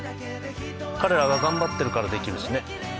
彼らが頑張ってるからできるしね。